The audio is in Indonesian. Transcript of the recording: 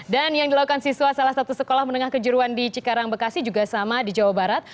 dan yang dilakukan siswa salah satu sekolah menengah kejuruan di cikarang bekasi juga sama di jawa barat